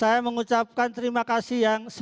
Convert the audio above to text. dan saya juga mengucapkan terima kasih kepada para penonton